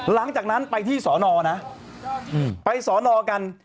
หลังจากนั้นไปที่สอนอนะไปสอนอกัน